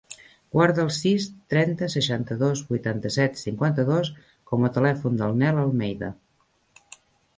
Guarda el sis, trenta, seixanta-dos, vuitanta-set, cinquanta-dos com a telèfon del Nel Almeida.